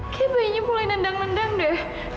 kayak bayinya mulai nendang nendang deh